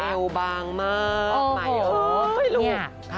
เอวบางมาก